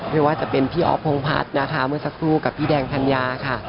ไม่ว่าจะเป็นพี่อ๊อฟพงพัฒน์นะคะเมื่อสักครู่กับพี่แดงธัญญาค่ะ